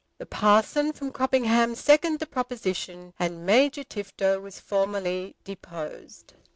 The parson from Croppingham seconded the proposition, and Major Tifto was formally deposed.